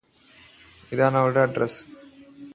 ഇതാണവളുടെ address